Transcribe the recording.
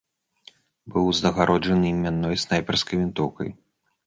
Быў узнагароджаны імянной снайперскай вінтоўкай.